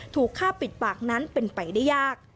ถูกฆ่าปิดปากนั้นเป็นไปได้ยาก